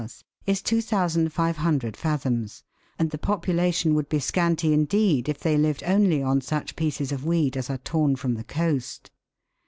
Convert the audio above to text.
is 2,500 fathoms, and the population would be scanty indeed if they lived only on such pieces of weed as are torn from the coast.